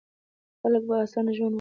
خلک به اسانه ژوند ولري.